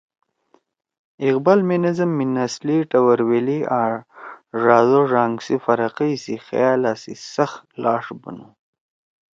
اقبال مے نظم می نسلی، ٹوَرویلی آں ڙاد او ڙانگ سی فرَقئی سی خیالا سی سخت لاݜ بنُو